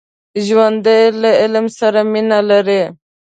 ژوندي له علم سره مینه لري